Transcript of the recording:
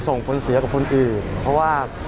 ส่งผลเสียกับคนอื่นเพราะว่า